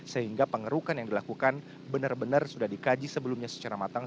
sehingga pengerukan yang dilakukan benar benar sudah dikaji sebelumnya secara matang